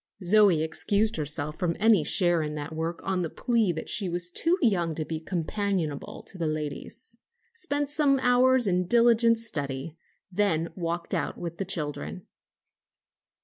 Zoe excused herself from any share in that work on the plea that she was too young to be companionable to the ladies, spent some hours in diligent study, then walked out with the children.